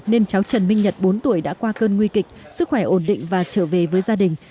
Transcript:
nên cháu trần minh nhật bốn tuổi đã qua cơn nguy kịch sức khỏe ổn định và trở về với gia đình